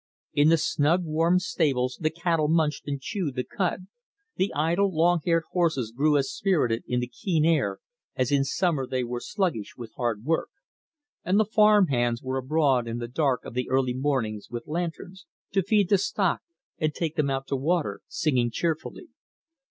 In the snug warm stables the cattle munched and chewed the cud; the idle, long haired horses grew as spirited in the keen air as in summer they were sluggish with hard work; and the farm hands were abroad in the dark of the early mornings with lanterns, to feed the stock and take them out to water, singing cheerfully.